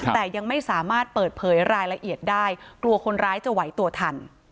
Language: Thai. แต่ยังไม่สามารถเปิดเผยรายละเอียดได้กลัวคนร้ายจะไหวตัวทัน